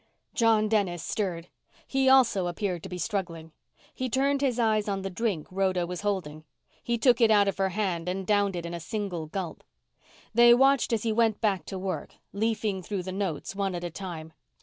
John Dennis stirred. He also appeared to be struggling. He turned his eyes on the drink Rhoda was holding. He took it out of her hand and downed it in a single gulp. They watched as he went back to work, leafing through the notes, one at a time.